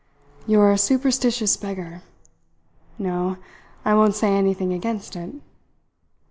"You are a superstitious beggar. No, I won't say anything against it."